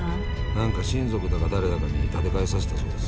なんか親族だか誰だかに立て替えさせたそうです。